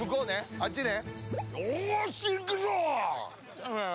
あっちね？